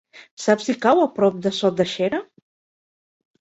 Saps si cau a prop de Sot de Xera?